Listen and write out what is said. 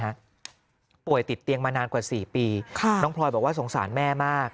ป่วยติดเตียงมานานกว่าสี่ปีค่ะน้องพลอยบอกว่าสงสารแม่มาก